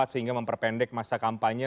sehingga memperpendek masa kampanye